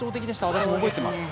私も覚えてます。